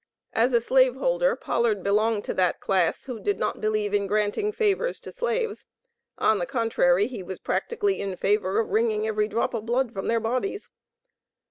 As a Slave holder, Pollard belonged to that class, who did not believe in granting favors to Slaves. On the contrary, he was practically in favor of wringing every drop of blood from their bodies.